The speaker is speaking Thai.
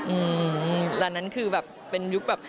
อืมตอนนั้นคือแบบเป็นยุคแบบ